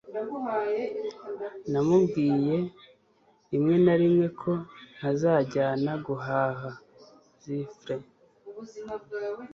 namubwiye rimwe na rimwe ko ntazajyana guhaha. (zifre